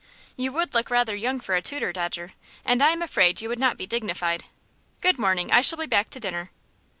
"You would look rather young for a tutor, Dodger, and I am afraid you would not be dignified. Good morning! I shall be back to dinner."